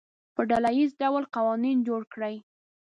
په ډله ییز ډول قوانین جوړ کړي.